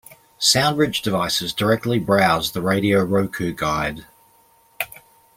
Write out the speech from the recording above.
SoundBridge devices directly browse the Radio Roku guide.